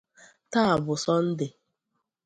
Taa bụ Sọndee